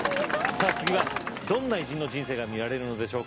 さあ次はどんな偉人の人生が見られるのでしょうか。